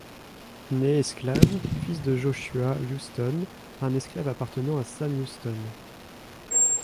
Né esclave, fils de Joshua Houston, un esclave appartenant à Sam Houston.